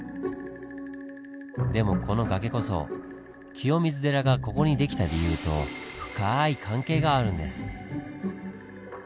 でもこの崖こそ清水寺がここに出来た理由とふかい関係があるんです。